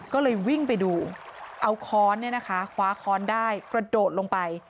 ก็เลยวิ่งไปดูเอาค้อนเนี่ยนะคะคว้าค้อนได้กระโดดลงไป